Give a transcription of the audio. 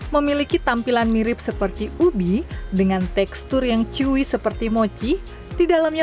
memiliki tampilan mirip seperti ubi dengan tekstur yang chui seperti mochi di dalamnya